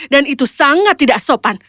dan itu sangat tidak sopan